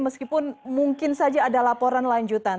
meskipun mungkin saja ada laporan lanjutan